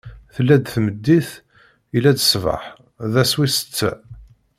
Tella-d tmeddit, illa-d ṣṣbeḥ: d ass wis setta.